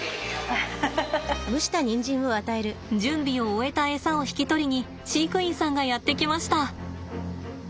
準備を終えたエサを引き取りに飼育員さんがやって来ました。